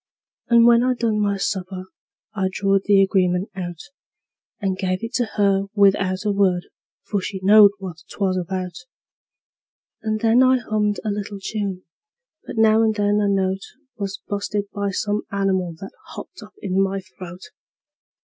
And when I'd done my supper I drawed the agreement out, And give it to her without a word, for she knowed what 'twas about; And then I hummed a little tune, but now and then a note Was bu'sted by some animal that hopped up in my throat.